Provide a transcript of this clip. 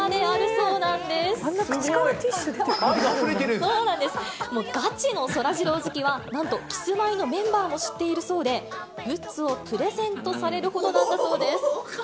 そうなんです、ガチのそらジロー好きはなんと、キスマイのメンバーも知っているそうで、グッズをプレゼントされるほどなんだそうです。